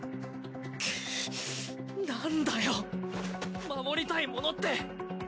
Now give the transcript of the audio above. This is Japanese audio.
なんだよ守りたいものって。